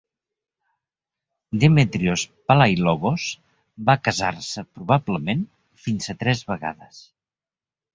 Demetrios Palaiologos va casar-se, probablement, fins a tres vegades.